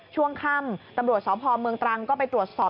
ช่วงค่ำตำรวจสพเมืองตรังก็ไปตรวจสอบ